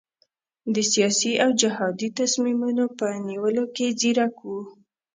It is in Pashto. د سیاسي او جهادي تصمیمونو په نیولو کې ځیرک وو.